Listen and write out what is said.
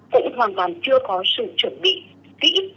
cũng hoàn toàn chưa có sự chuẩn bị kỹ